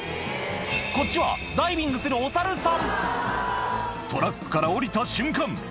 こっちはダイビングするおサルさんトラックから降りた瞬間